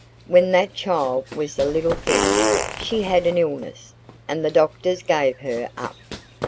When that child was a little thing, she had an illness, and the doctors gave her up.